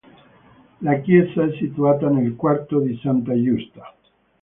La chiesa è situata nel quarto di Santa Giusta.